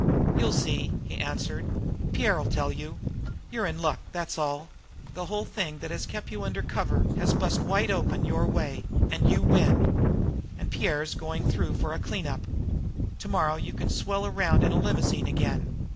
"You'll see," he answered. "Pierre'll tell you. You're in luck, that's all. The whole thing that has kept you under cover has bust wide open your way, and you win. And Pierre's going through for a clean up. To morrow you can swell around in a limousine again.